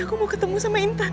aku mau ketemu sama intan